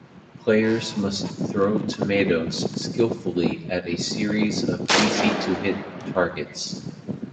Players must throw tomatoes skillfully at a series of easy-to-hit targets.